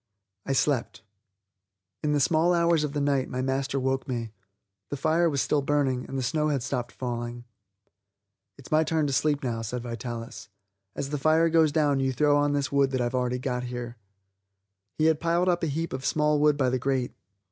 I slept. In the small hours of the night my master woke me. The fire was still burning, and the snow had stopped falling. "It's my turn to sleep now," said Vitalis; "as the fire goes down you throw on this wood that I've got already here." He had piled up a heap of small wood by the grate.